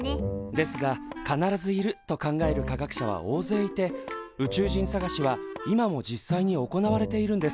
ですが必ずいると考える科学者は大勢いて宇宙人探しは今も実際に行われているんです。